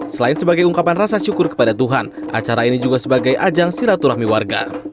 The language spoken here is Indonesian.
selain sebagai ungkapan rasa syukur kepada tuhan acara ini juga sebagai ajang silaturahmi warga